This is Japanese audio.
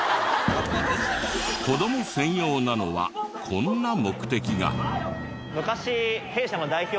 子ども専用なのはこんな目的が。